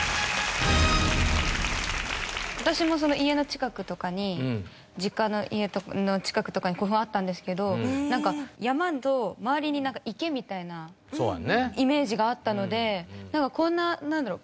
私も家の近くとかに実家の家の近くとかに古墳あったんですけど山と周りに池みたいなイメージがあったのでなんかこんななんだろう？